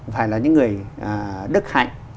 phải là những người đức hạnh